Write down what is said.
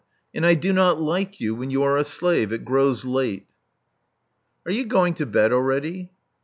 And I do not like you when you are a slave. It grows late. " '*Are you going to bed already?"